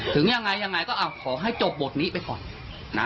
ถึงยังไงยังไงก็อ่ะขอให้จบบทนี้ไปก่อนนะ